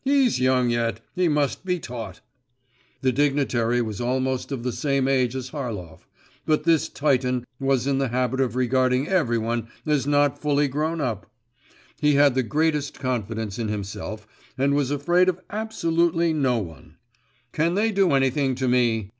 He's young yet, he must be taught.' The dignitary was almost of the same age as Harlov; but this Titan was in the habit of regarding every one as not fully grown up. He had the greatest confidence in himself and was afraid of absolutely no one. 'Can they do anything to me?